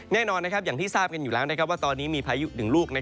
แน่นอนนะครับอย่างที่ซาบกันอยู่แล้วนะครับว่าตอนนี้มีพายุนึงลูก